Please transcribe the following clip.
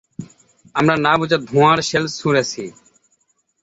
আমরা না বুঝে ধোঁয়ার শেল ছুঁড়েছি।